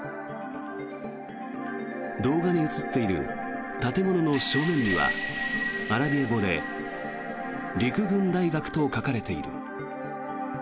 動画に映っている建物の正面にはアラビア語で陸軍大学と書かれている。